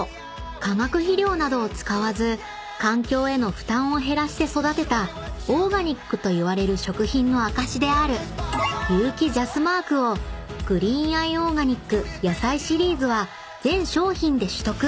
化学肥料などを使わず環境への負担を減らして育てたオーガニックといわれる食品の証しである有機ＪＡＳマークをグリーンアイオーガニック野菜シリーズは全商品で取得］